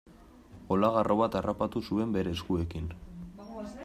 Olagarro bat harrapatu zuen bere eskuekin.